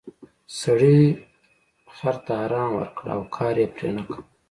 سړي خر ته ارام ورکړ او کار یې پرې نه کاوه.